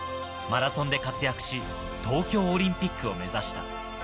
マラソンで活躍し、東京オリンピックを目指した。